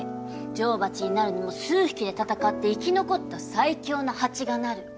女王蜂になるにも数匹で戦って生き残った最強の蜂がなる。